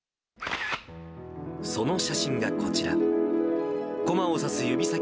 その写真がこちら。